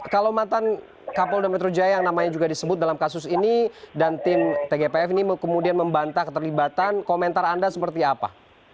kalau mantan kapolda metro jaya yang namanya juga disebut dalam kasus ini dan tim tgpf ini kemudian membantah keterlibatan komentar anda seperti apa